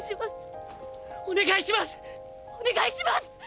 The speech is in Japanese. お願いします。